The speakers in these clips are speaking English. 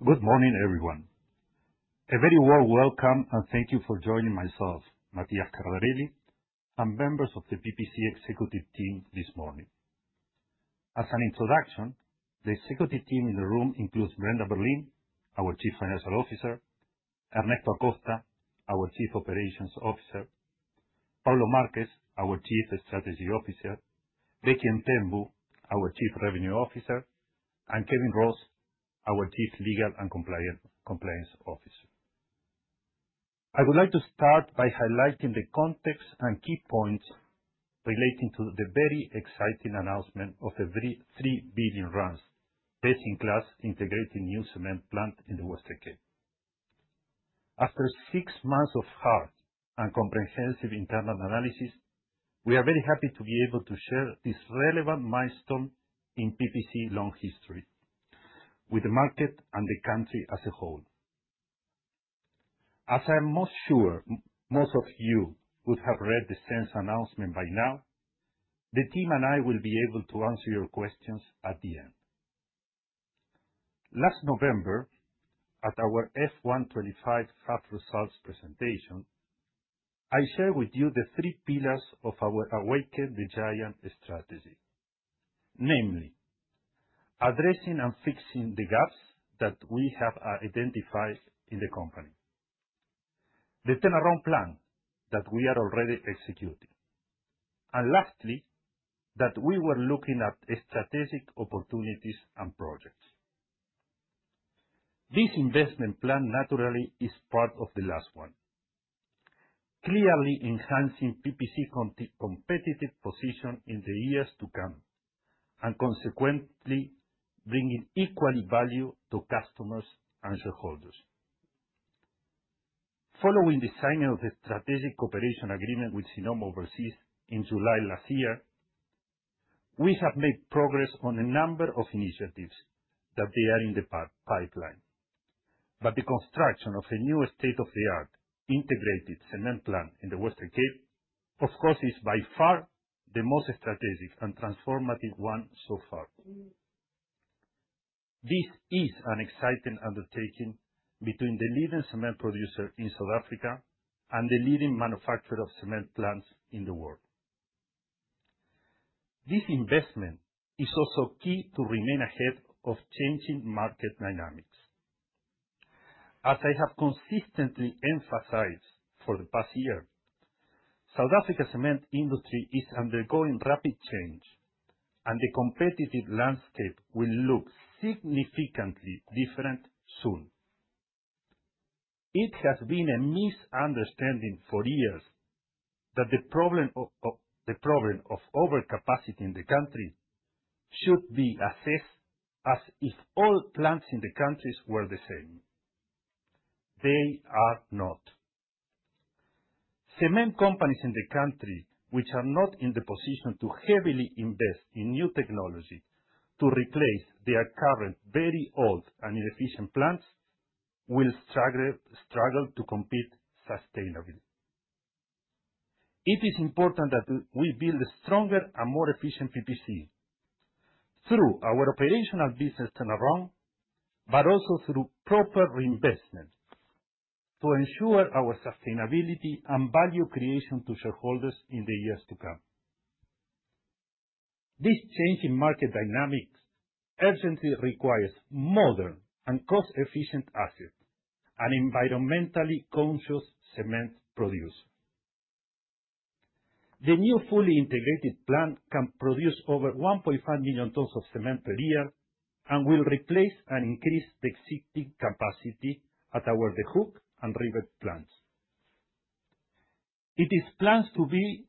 Good morning, everyone. A very warm welcome and thank you for joining myself, Matias Cardarelli, and members of the PPC executive team this morning. As an introduction, the executive team in the room includes Brenda Berlin, our Chief Financial Officer, Ernesto Acosta, our Chief Operations Officer, Pablo Marquez, our Chief Strategy Officer, Bheki Mthembu, our Chief Revenue Officer, and Kevin Ross, our Chief Legal and Compliance Officer. I would like to start by highlighting the context and key points relating to the very exciting announcement of a R3 billion best-in-class integrated new cement plant in the Western Cape. After six months of hard and comprehensive internal analysis, we are very happy to be able to share this relevant milestone in PPC's long history with the market and the country as a whole. As I am most sure most of you would have read the SENS announcement by now, the team and I will be able to answer your questions at the end. Last November, at our FY25 half results presentation, I shared with you the three pillars of our Awaken the Giant strategy, namely addressing and fixing the gaps that we have identified in the company, the 10-year-old plan that we are already executing, and lastly, that we were looking at strategic opportunities and projects. This investment plan, naturally, is part of the last one, clearly enhancing PPC's competitive position in the years to come and consequently bringing equal value to customers and shareholders. Following the signing of the strategic cooperation agreement with Sinoma Overseas in July last year, we have made progress on a number of initiatives that are in the pipeline, but the construction of a new state-of-the-art integrated cement plant in the Western Cape, of course, is by far the most strategic and transformative one so far. This is an exciting undertaking between the leading cement producer in South Africa and the leading manufacturer of cement plants in the world. This investment is also key to remain ahead of changing market dynamics. As I have consistently emphasized for the past year, South Africa's cement industry is undergoing rapid change, and the competitive landscape will look significantly different soon. It has been a misunderstanding for years that the problem of overcapacity in the country should be assessed as if all plants in the countries were the same. They are not. Cement companies in the country which are not in the position to heavily invest in new technology to replace their current very old and inefficient plants will struggle to compete sustainably. It is important that we build a stronger and more efficient PPC through our operational business turnaround, but also through proper reinvestment to ensure our sustainability and value creation to shareholders in the years to come. This change in market dynamics urgently requires modern and cost-efficient assets, an environmentally conscious cement producer. The new fully integrated plant can produce over 1.5 million tons of cement per year and will replace and increase the existing capacity at our De Hoek and Riebeek plants. It is planned to be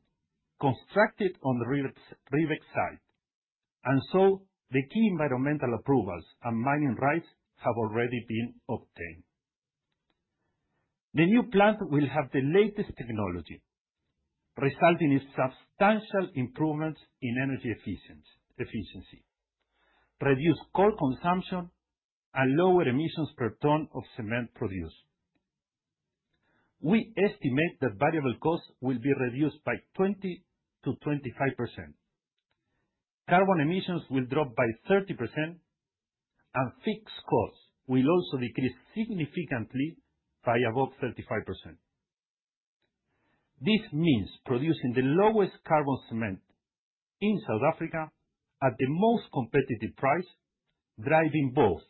constructed on the Riebeek site, and so the key environmental approvals and mining rights have already been obtained. The new plant will have the latest technology, resulting in substantial improvements in energy efficiency, reduced coal consumption, and lower emissions per ton of cement produced. We estimate that variable costs will be reduced by 20%-25%, carbon emissions will drop by 30%, and fixed costs will also decrease significantly by about 35%. This means producing the lowest carbon cement in South Africa at the most competitive price, driving both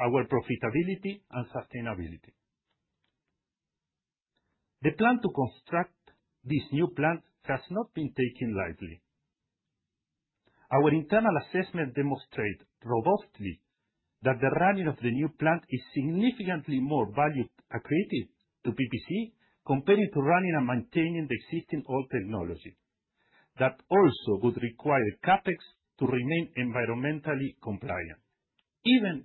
our profitability and sustainability. The plan to construct this new plant has not been taken lightly. Our internal assessment demonstrates robustly that the running of the new plant is significantly more value-accretive to PPC compared to running and maintaining the existing old technology that also would require CapEx to remain environmentally compliant, even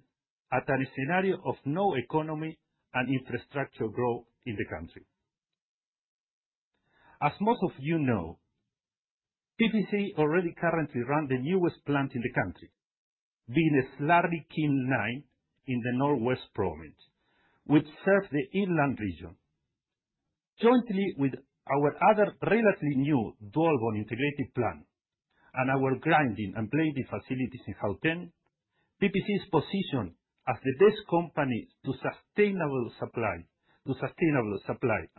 at a scenario of no economy and infrastructure growth in the country. As most of you know, PPC already currently runs the newest plant in the country, being a Slurry kiln line in the North West province, which serves the inland region. Jointly with our other relatively new Dwaalboom integrated plant and our grinding and blending facilities in Gauteng, PPC is positioned as the best company to sustainable supply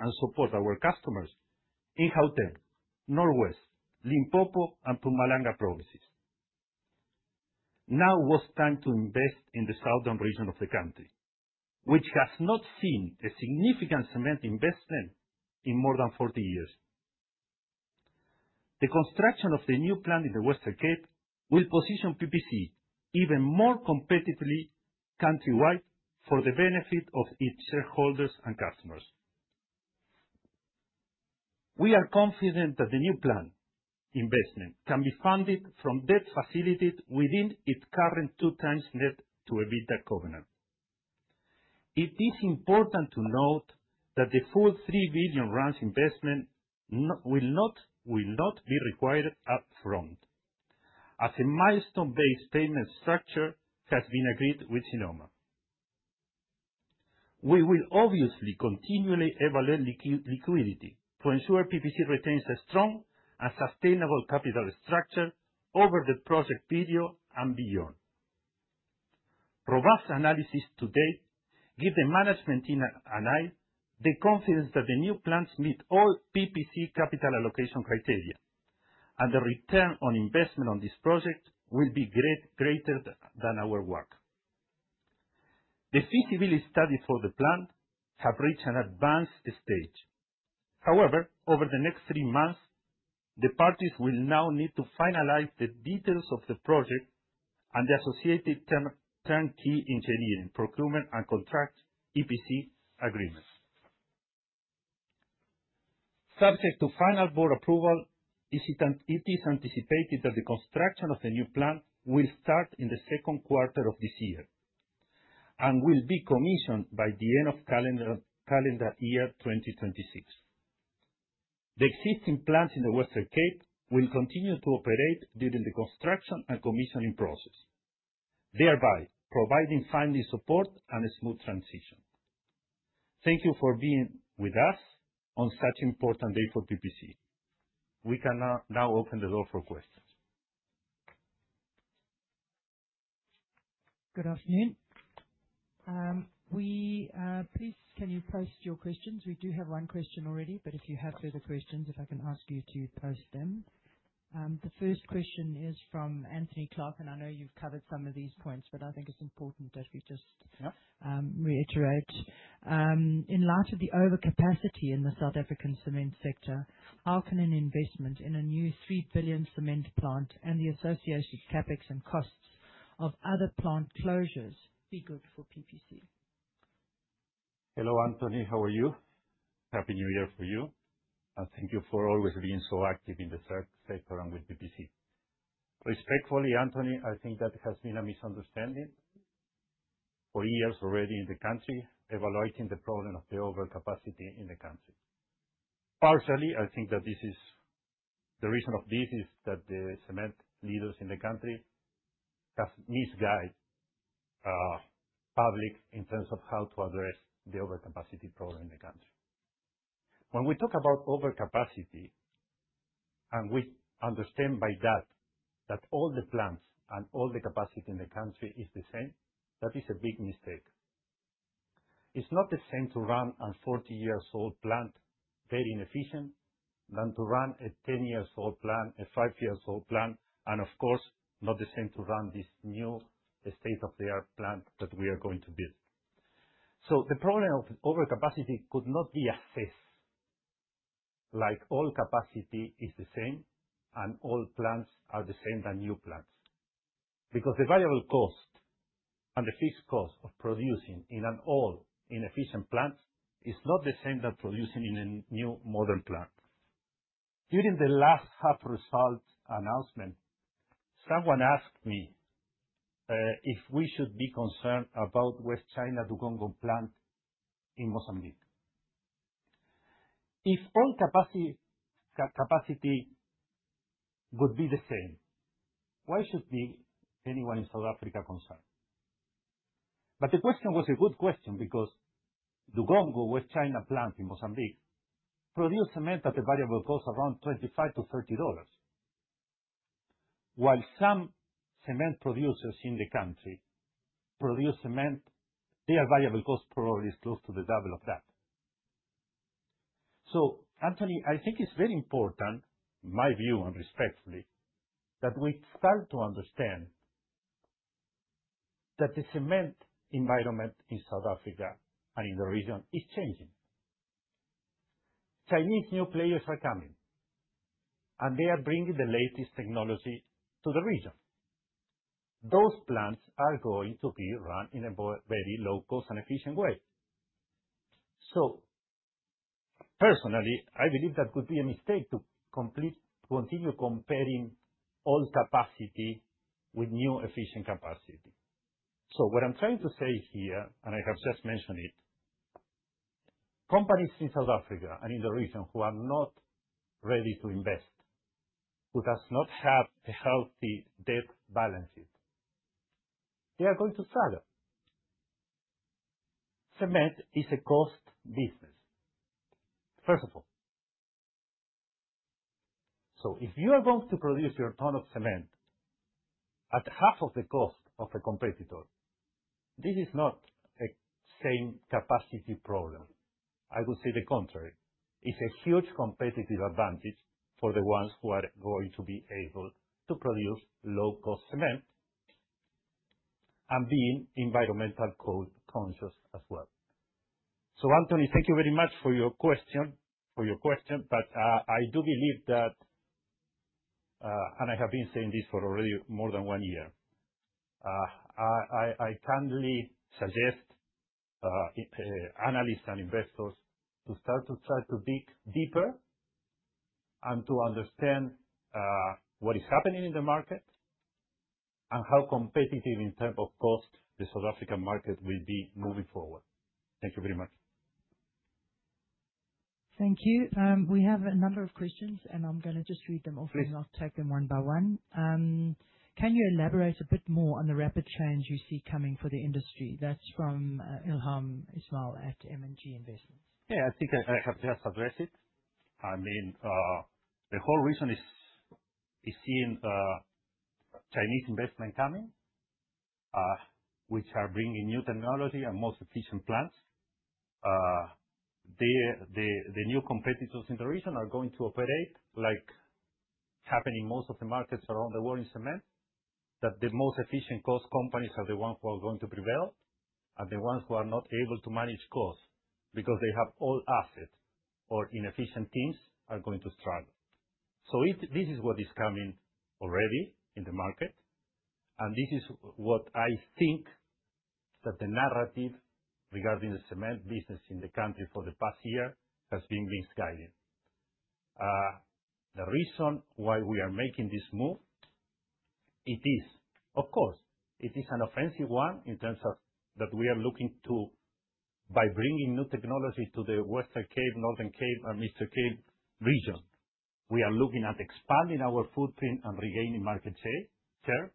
and support our customers in Gauteng, North West, Limpopo, and Mpumalanga provinces. Now it was time to invest in the southern region of the country, which has not seen a significant cement investment in more than 40 years. The construction of the new plant in the Western Cape will position PPC even more competitively countrywide for the benefit of its shareholders and customers. We are confident that the new plant investment can be funded from debt facilitated within its current two times net debt to EBITDA covenant. It is important to note that the full R3 billion investment will not be required upfront, as a milestone-based payment structure has been agreed with Sinoma. We will obviously continually evaluate liquidity to ensure PPC retains a strong and sustainable capital structure over the project period and beyond. Robust analysis to date gives the management team and I the confidence that the new plants meet all PPC capital allocation criteria, and the return on investment on this project will be greater than our WACC. The feasibility studies for the plant have reached an advanced stage. However, over the next three months, the parties will now need to finalize the details of the project and the associated turnkey engineering, procurement, and construction EPC agreements. Subject to final board approval, it is anticipated that the construction of the new plant will start in the second quarter of this year and will be commissioned by the end of calendar year 2026. The existing plants in the Western Cape will continue to operate during the construction and commissioning process, thereby providing financial support and a smooth transition. Thank you for being with us on such an important day for PPC. We can now open the door for questions. Good afternoon. Please, can you post your questions? We do have one question already, but if you have further questions, if I can ask you to post them. The first question is from Anthony Clark, and I know you've covered some of these points, but I think it's important that we just reiterate. In light of the overcapacity in the South African cement sector, how can an investment in a new R3 billion cement plant and the associated CapEx and costs of other plant closures be good for PPC? Hello, Anthony. How are you? Happy New Year for you. Thank you for always being so active in the sector and with PPC. Respectfully, Anthony, I think that has been a misunderstanding for years already in the country, evaluating the problem of the overcapacity in the country. Partially, I think that the reason of this is that the cement leaders in the country have misguided the public in terms of how to address the overcapacity problem in the country. When we talk about overcapacity, and we understand by that that all the plants and all the capacity in the country is the same, that is a big mistake. It's not the same to run a 40-year-old plant very inefficient than to run a 10-year-old plant, a 5-year-old plant, and of course, not the same to run this new state-of-the-art plant that we are going to build. So the problem of overcapacity could not be assessed like all capacity is the same and all plants are the same than new plants because the variable cost and the fixed cost of producing in an old, inefficient plant is not the same than producing in a new, modern plant. During the last half result announcement, someone asked me if we should be concerned about the West China Dugongo plant in Mozambique. If all capacity would be the same, why should anyone in South Africa concern? But the question was a good question because Dugongo, West China plant in Mozambique, produces cement at a variable cost of around $25-$30, while some cement producers in the country produce cement, their variable cost probably is close to the double of that. So, Anthony, I think it's very important, my view and respectfully, that we start to understand that the cement environment in South Africa and in the region is changing. Chinese new players are coming, and they are bringing the latest technology to the region. Those plants are going to be run in a very low-cost and efficient way. So, personally, I believe that could be a mistake to continue comparing old capacity with new efficient capacity. So what I'm trying to say here, and I have just mentioned it, companies in South Africa and in the region who are not ready to invest, who do not have a healthy debt balance sheet, they are going to struggle. Cement is a cost business, first of all. So if you are going to produce your ton of cement at half of the cost of a competitor, this is not the same capacity problem. I would say the contrary. It's a huge competitive advantage for the ones who are going to be able to produce low-cost cement and being environmentally conscious as well. So, Anthony, thank you very much for your question, but I do believe that, and I have been saying this for already more than one year. I kindly suggest analysts and investors to start to try to dig deeper and to understand what is happening in the market and how competitive in terms of cost the South African market will be moving forward. Thank you very much. Thank you. We have a number of questions, and I'm going to just read them off, and I'll take them one by one. Can you elaborate a bit more on the rapid change you see coming for the industry? That's from Elham Ismail at M&G Investments. Yeah, I think I have just addressed it. I mean, the whole region is seeing Chinese investment coming, which are bringing new technology and most efficient plants. The new competitors in the region are going to operate like what's happening in most of the markets around the world in cement, that the most efficient low-cost companies are the ones who are going to prevail and the ones who are not able to manage costs because they have old assets or inefficient teams are going to struggle. So this is what is coming already in the market, and this is what I think that the narrative regarding the cement business in the country for the past year has been misguided. The reason why we are making this move, it is, of course, it is an offensive one in terms of that we are looking to, by bringing new technology to the Western Cape, Northern Cape, and Eastern Cape region, we are looking at expanding our footprint and regaining market share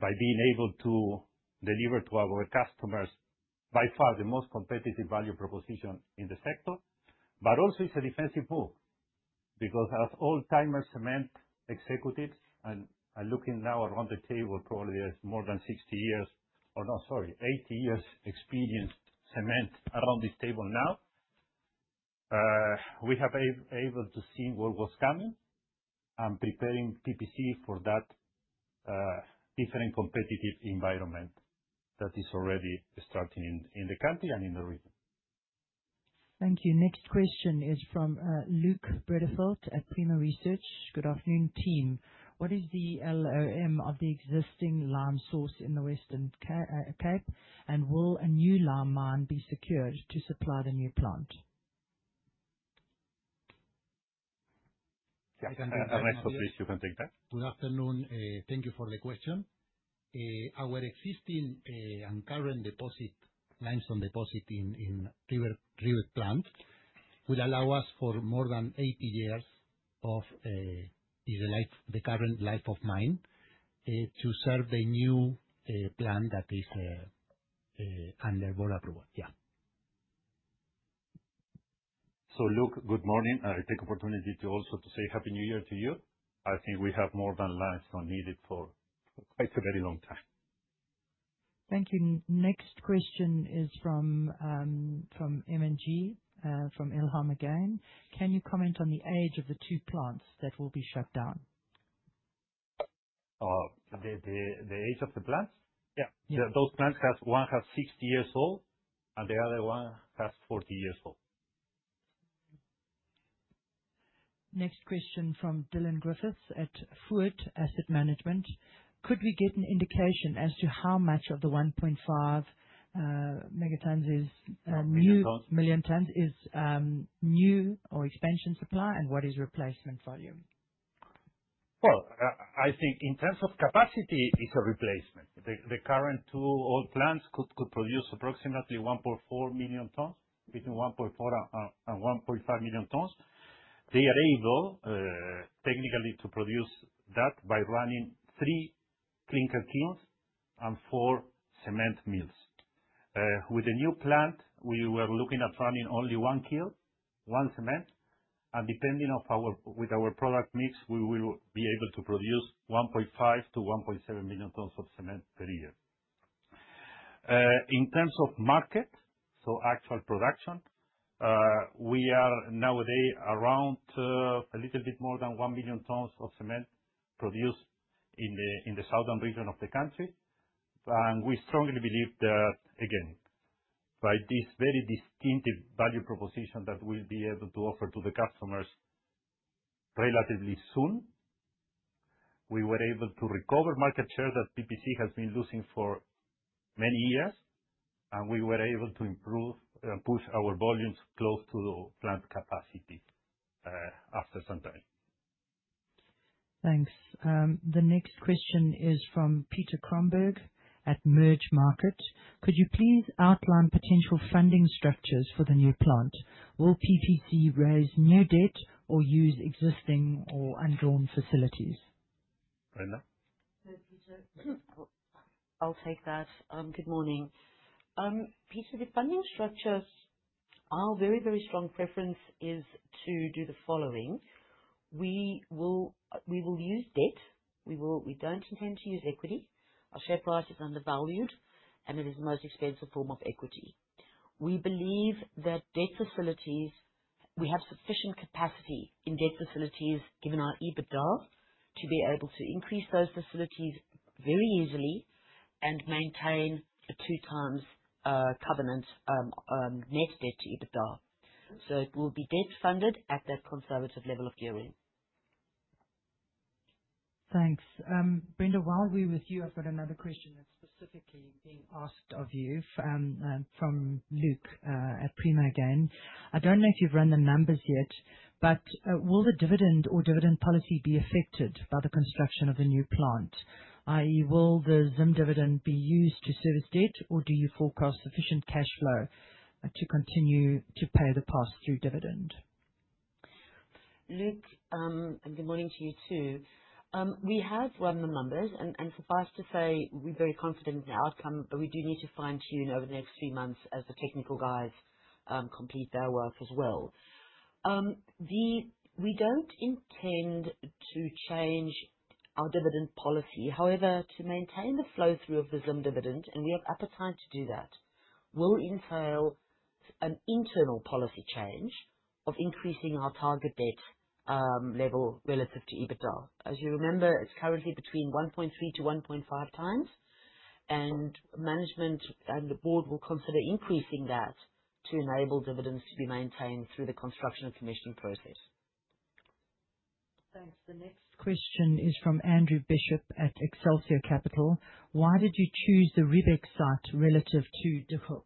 by being able to deliver to our customers by far the most competitive value proposition in the sector. But also, it's a defensive move because as old-timer cement executives, and I'm looking now around the table, probably there's more than 60 years or no, sorry, 80 years' experience in cement around this table now, we have been able to see what was coming and preparing PPC for that different competitive environment that is already starting in the country and in the region. Thank you. Next question is from Luke Bredenkamp at Prima Research. Good afternoon, team. What is the LOM of the existing lime source in the Western Cape, and will a new lime mine be secured to supply the new plant? Yeah, Anthony, I'm sorry, you can take that. Good afternoon. Thank you for the question. Our existing and current deposit, limestone deposit in Riebeek plant would allow us for more than 80 years of the current life of mine to serve the new plant that is under board approval. Yeah. So, Luke, good morning. I take the opportunity to also say Happy New Year to you. I think we have more than limestone needed for quite a very long time. Thank you. Next question is from M&G, from Elham again. Can you comment on the age of the two plants that will be shut down? The age of the plants? Yeah. Those plants have. One has 60 years old, and the other one has 40 years old. Next question from Dylan Griffiths at Foord Asset Management. Could we get an indication as to how much of the 1.5 megatons is new? Million tons. Million tons is new or expansion supply, and what is replacement volume? I think in terms of capacity, it's a replacement. The current two old plants could produce approximately 1.4 million tons, between 1.4 and 1.5 million tons. They are able technically to produce that by running three clinker kilns and four cement mills. With the new plant, we were looking at running only one kiln, one cement, and depending on our product mix, we will be able to produce 1.5-1.7 million tons of cement per year. In terms of market, actual production, we are nowadays around a little bit more than 1 million tons of cement produced in the southern region of the country. We strongly believe that, again, by this very distinctive value proposition that we'll be able to offer to the customers relatively soon, we were able to recover market share that PPC has been losing for many years, and we were able to improve and push our volumes close to the plant capacity after some time. Thanks. The next question is from Peter Kromberg at Mergermarket. Could you please outline potential funding structures for the new plant? Will PPC raise new debt or use existing or undrawn facilities? Brenda? Hello, Peter. I'll take that. Good morning. Peter, the funding structures are very, very strong. Preference is to do the following. We will use debt. We don't intend to use equity. Our share price is undervalued, and it is the most expensive form of equity. We believe that debt facilities, we have sufficient capacity in debt facilities given our EBITDA to be able to increase those facilities very easily and maintain a two-times covenant net debt to EBITDA. So it will be debt funded at that conservative level of gearing. Thanks. Brenda, while we're with you, I've got another question that's specifically being asked of you from Luke at Prima again. I don't know if you've run the numbers yet, but will the dividend or dividend policy be affected by the construction of a new plant, i.e., will the interim dividend be used to service debt, or do you forecast sufficient cash flow to continue to pay the pass-through dividend? Luke, good morning to you too. We have run the numbers, and suffice to say, we're very confident in the outcome, but we do need to fine-tune over the next three months as the technical guys complete their work as well. We don't intend to change our dividend policy. However, to maintain the flow-through of the ZIM dividend, and we have appetite to do that, will entail an internal policy change of increasing our target debt level relative to EBITDA. As you remember, it's currently between 1.3-1.5 times, and management and the board will consider increasing that to enable dividends to be maintained through the construction and commissioning process. Thanks. The next question is from Andrew Bishop at Excelsior Capital. Why did you choose the Riebeek site relative to De Hoek?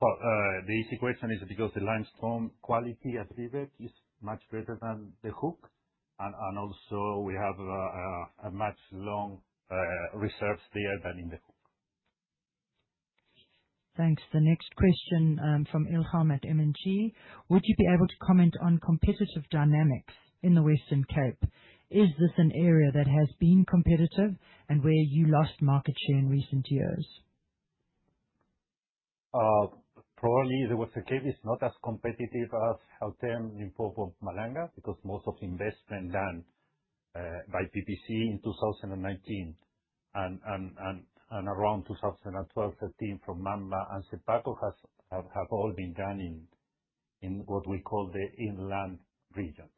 The easy question is because the limestone quality at Riebeek is much better than De Hoek, and also we have a much longer reserve there than in De Hoek. Thanks. The next question from Elham at M&G. Would you be able to comment on competitive dynamics in the Western Cape? Is this an area that has been competitive and where you lost market share in recent years? Probably the Western Cape is not as competitive as how it came in Mpumalanga because most of the investment done by PPC in 2019 and around 2012, 2013 from Mamba and Sephaku have all been done in what we call the inland region.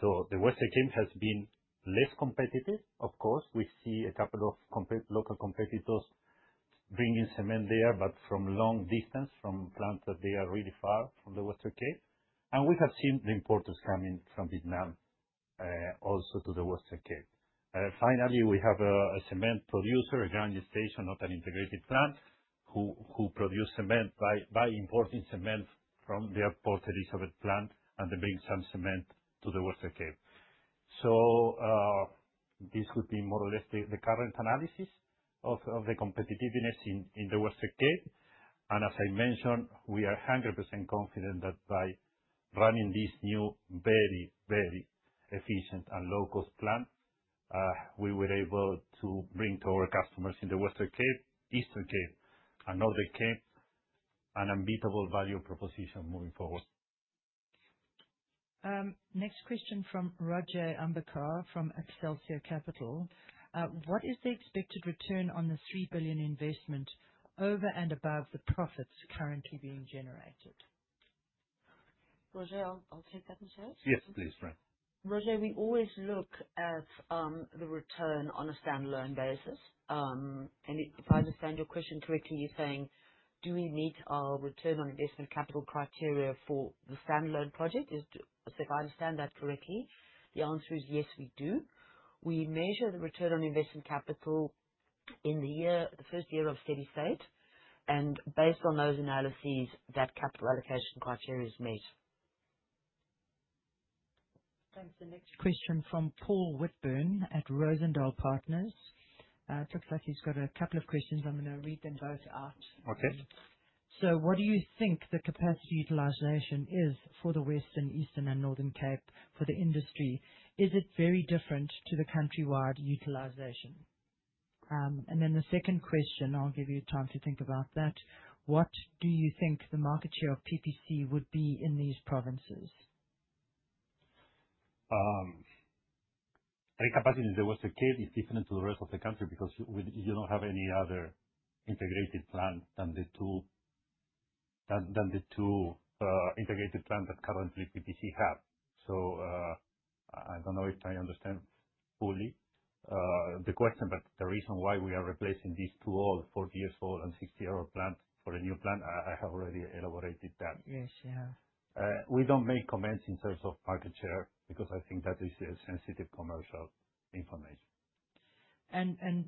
So the Western Cape has been less competitive, of course. We see a couple of local competitors bringing cement there, but from long distance, from plants that they are really far from the Western Cape. And we have seen the imports coming from Vietnam also to the Western Cape. Finally, we have a cement producer, a grinding station, not an integrated plant, who produce cement by importing cement from their Port Elizabeth plant and bring some cement to the Western Cape. So this would be more or less the current analysis of the competitiveness in the Western Cape. And as I mentioned, we are 100% confident that by running this new, very, very efficient and low-cost plant, we were able to bring to our customers in the Western Cape, Eastern Cape, and Northern Cape an unbeatable value proposition moving forward. Next question from Rajay Ambekar from Excelsior Capital. What is the expected return on the R3 billion investment over and above the profits currently being generated? Rajay, I'll take that, I'm sorry. Yes, please, Brenda. Rajay, we always look at the return on a standalone basis. And if I understand your question correctly, you're saying, do we meet our return on investment capital criteria for the standalone project? So if I understand that correctly, the answer is yes, we do. We measure the return on investment capital in the first year of steady state, and based on those analyses, that capital allocation criteria is met. Thanks. The next question from Paul Whitburn at Rozendal Partners. It looks like he's got a couple of questions. I'm going to read them both out. Okay. What do you think the capacity utilization is for the Western Cape, Eastern Cape, and Northern Cape for the industry? Is it very different to the countrywide utilization? And then the second question, I'll give you time to think about that. What do you think the market share of PPC would be in these provinces? I think capacity in the Western Cape is different to the rest of the country because you don't have any other integrated plant than the two integrated plants that currently PPC have. So I don't know if I understand fully the question, but the reason why we are replacing these two old, 40 years old and 60-year-old plants for a new plant, I have already elaborated that. Yes, you have. We don't make comments in terms of market share because I think that is sensitive commercial information. And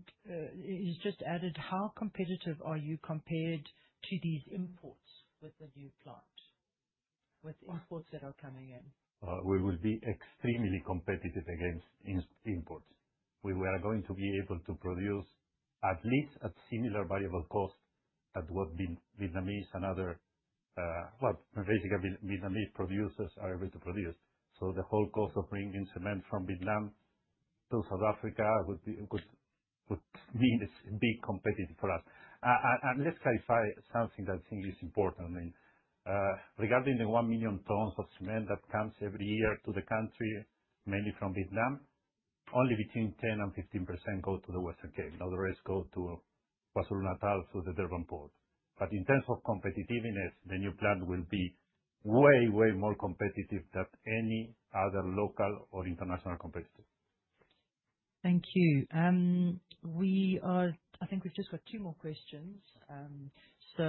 he's just added, how competitive are you compared to these imports with the new plant, with imports that are coming in? We will be extremely competitive against imports. We were going to be able to produce at least at similar variable costs that what Vietnamese and other, well, basically Vietnamese producers are able to produce, so the whole cost of bringing cement from Vietnam to South Africa would mean it's a big competitive for us, and let's clarify something that I think is important. Regarding the one million tons of cement that comes every year to the country, mainly from Vietnam, only between 10% and 15% go to the Western Cape. Now, the rest go to the rest of the country through the Durban Port, but in terms of competitiveness, the new plant will be way, way more competitive than any other local or international competitor. Thank you. I think we've just got two more questions. So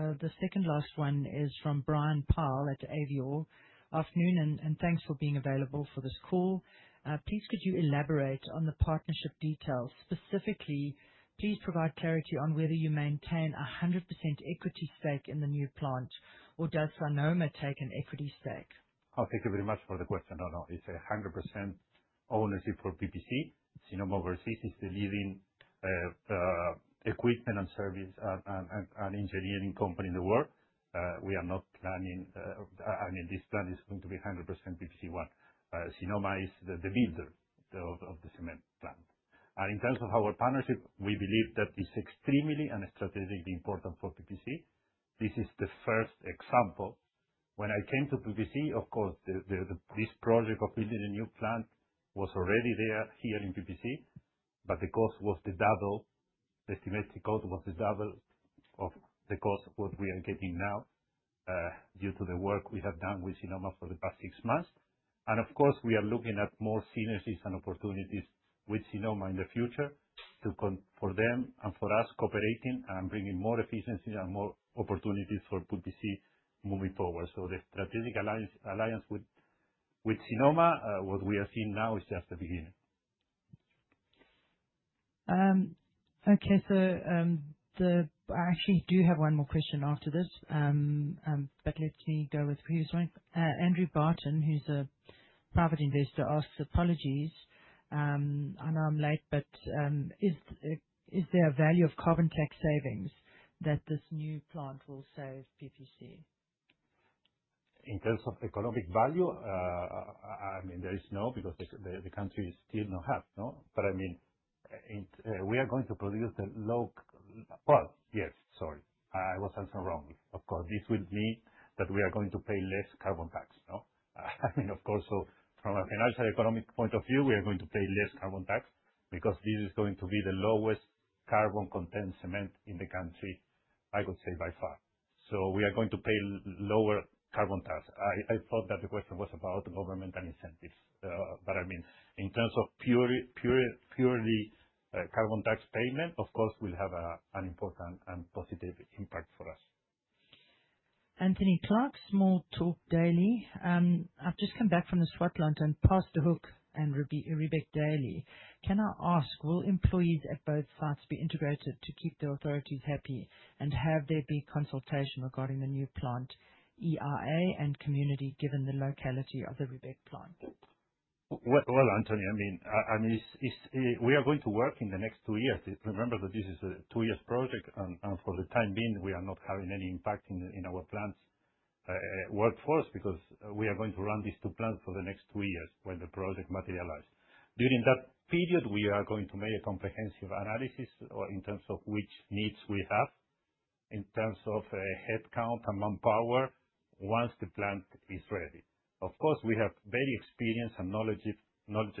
the second last one is from Brent Pyle at Avior. Afternoon, and thanks for being available for this call. Please, could you elaborate on the partnership details? Specifically, please provide clarity on whether you maintain a 100% equity stake in the new plant or does Sinoma take an equity stake? Oh, thank you very much for the question. No, no. It's 100% ownership for PPC. Sinoma Overseas is the leading equipment and service and engineering company in the world. We are not planning. I mean, this plant is going to be 100% PPC one. Sinoma is the builder of the cement plant. And in terms of our partnership, we believe that it's extremely and strategically important for PPC. This is the first example. When I came to PPC, of course, this project of building a new plant was already there here in PPC, but the cost was the double. The estimated cost was the double of the cost of what we are getting now due to the work we have done with Sinoma for the past six months. And of course, we are looking at more synergies and opportunities with Sinoma in the future for them and for us cooperating and bringing more efficiencies and more opportunities for PPC moving forward. So the strategic alliance with Sinoma, what we are seeing now, is just the beginning. Okay, so I actually do have one more question after this, but let me go with the previous one. Andrew Barton, who's a private investor, asks: Apologies. I know I'm late, but is there a value of carbon tax savings that this new plant will save PPC? In terms of economic value, I mean, there is no because the country still doesn't have, no? But I mean, we are going to produce a low well, yes, sorry. I was answering wrong. Of course, this will mean that we are going to pay less carbon tax. I mean, of course, from a financial economic point of view, we are going to pay less carbon tax because this is going to be the lowest carbon-content cement in the country, I would say by far. So we are going to pay lower carbon tax. I thought that the question was about government and incentives. But I mean, in terms of purely carbon tax payment, of course, will have an important and positive impact for us. Anthony Clark, Small Talk Daily. I've just come back from the Switzerland and past De Hoek and Riebeek West. Can I ask, will employees at both sites be integrated to keep the authorities happy and have there be consultation regarding the new plant, EIA and community given the locality of the Riebeek plant? Antonio, I mean, we are going to work in the next two years. Remember that this is a two-year project, and for the time being, we are not having any impact in our plant's workforce because we are going to run these two plants for the next two years when the project materializes. During that period, we are going to make a comprehensive analysis in terms of which needs we have, in terms of headcount and manpower once the plant is ready. Of course, we have very experienced and knowledgeable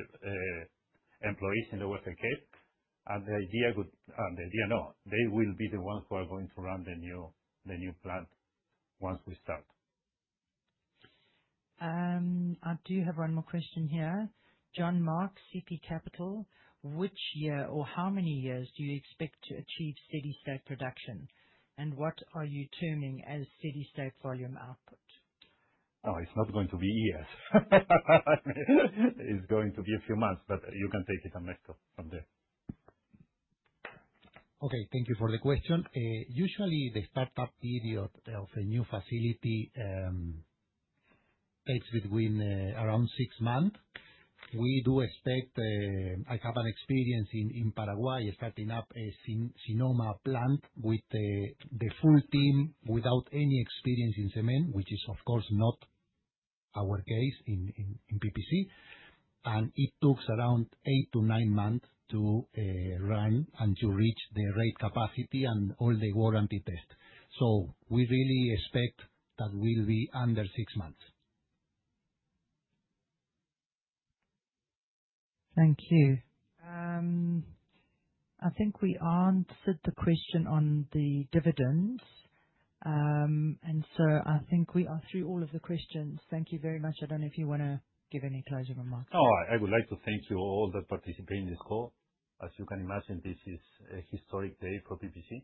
employees in the Western Cape, and the idea no, they will be the ones who are going to run the new plant once we start. I do have one more question here. John Marks, CP Capital. Which year or how many years do you expect to achieve steady-state production, and what are you terming as steady-state volume output? Oh, it's not going to be years. It's going to be a few months, but you can take it and let's go from there. Okay. Thank you for the question. Usually, the start-up period of a new facility takes between around six months. We do expect. I have an experience in Paraguay starting up a Sinoma plant with the full team without any experience in cement, which is, of course, not our case in PPC, and it takes around eight to nine months to run and to reach the rate capacity and all the warranty tests, so we really expect that will be under six months. Thank you. I think we answered the question on the dividends, and so I think we are through all of the questions. Thank you very much. I don't know if you want to give any closing remarks? No, I would like to thank you all that participate in this call. As you can imagine, this is a historic day for PPC.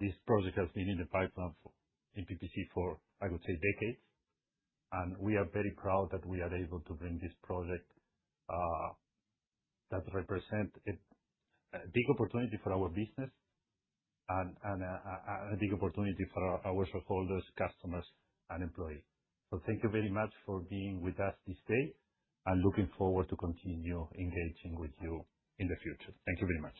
This project has been in the pipeline in PPC for, I would say, decades. And we are very proud that we are able to bring this project that represents a big opportunity for our business and a big opportunity for our shareholders, customers, and employees. So thank you very much for being with us this day and looking forward to continue engaging with you in the future. Thank you very much.